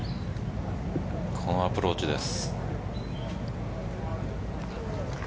このアプローチです。